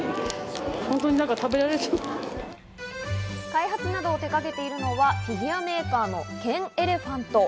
開発などを手がけているのはフィギュアメーカーのケンエレファント。